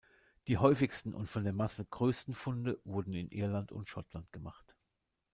Die häufigsten und von der Masse größten Funde wurden in Irland und Schottland gemacht.